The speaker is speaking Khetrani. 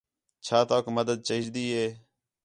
چَا تَؤک مدد چاہیجدی ہے؟